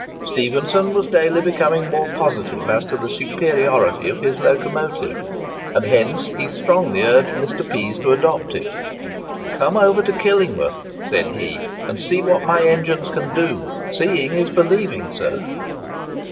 Stephenson was daily becoming more positive as to the superiority of his locomotive; and hence he strongly urged Mr. Pease to adopt it. "Come over to Killingworth," said he, "and see what my engines can do; seeing is believing, sir."